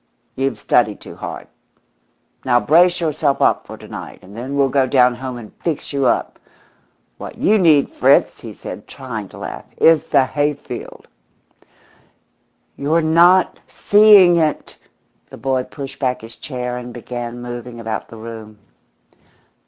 You've studied too hard. Now brace yourself up for to night, and then we'll go down home and fix you up. What you need, Fritz," he said, trying to laugh, "is the hayfield." "You're not seeing it!" The boy pushed back his chair and began moving about the room.